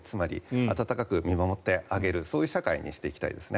温かく見守ってあげるそういう社会にしていきたいですね。